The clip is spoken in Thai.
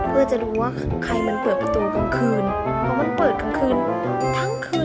เพื่อจะรู้ว่าใครมันเปิดประตูกลางคืน